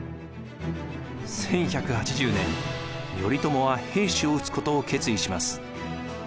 １１８０年頼朝は平氏を討つことを決意します。